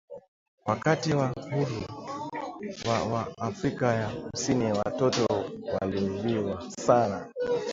Wakati wa huuru wa wa afrika ya kusini watoto waliuwiwa sana